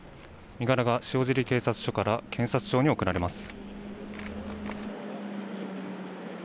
身柄が塩尻警察署から検察庁に送られます。